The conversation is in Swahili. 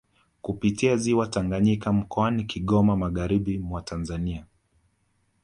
Kupitia ziwa Tanganyika mkoani Kigoma magharibi mwa Tanzania